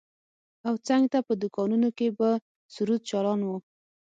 او څنگ ته په دوکانونو کښې به سروذ چالان و.